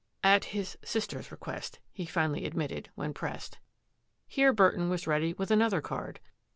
" At his sister's request," he finally admitted, when pressed. Here Burton was ready with another card.